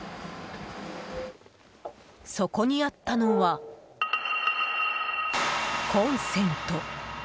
そこにあったのは、コンセント。